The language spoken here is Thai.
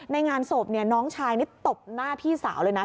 ในงานศพเนี่ยน้องชายนี่ตบหน้าพี่สาวเลยนะ